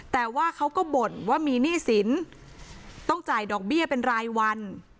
แต่ว่าเขาก็บ่นว่ามีหนี้สินต้องจ่ายดอกเบี้ยเป็นรายวัน